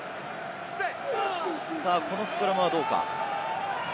このスクラムはどうか？